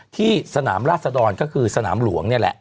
ที่สนามราชดรก็คือสนามหลวงนี่แหละ